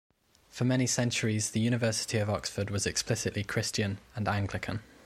For many centuries the University of Oxford was explicitly Christian and Anglican.